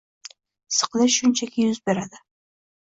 Siqilish shunchaki yuz beradi.